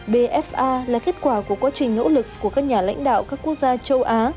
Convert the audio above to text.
bfa là kết quả của quá trình nỗ lực của các nhà lãnh đạo các quốc gia châu á